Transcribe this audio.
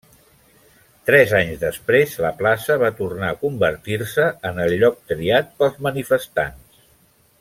Tres anys després, la plaça va tornar a convertir-se en el lloc triat pels manifestants.